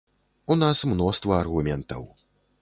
У нас мноства аргументаў.